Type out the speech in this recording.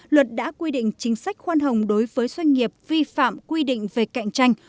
luật đã quy định chính sách khoan hồng đối với doanh nghiệp vi phạm quy định về cạnh tranh